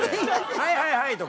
「はいはいはい」とか。